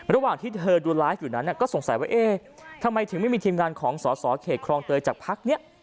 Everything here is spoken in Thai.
ระหว่างที่เธอดูไลฟ์อยู่นั้นก็สงสัยว่าเอ๊ะทำไมถึงไม่มีทีมงานของสอสอเขตครองเตยจากพักนี้